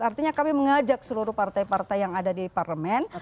artinya kami mengajak seluruh partai partai yang ada di parlemen